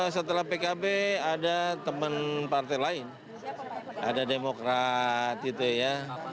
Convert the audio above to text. setelah pkb ada teman partai lain ada demokrat gitu ya